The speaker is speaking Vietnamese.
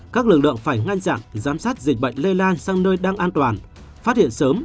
các lực lượng phải ngăn chặn giám sát dịch bệnh lây lan sang nơi đang an toàn phát hiện sớm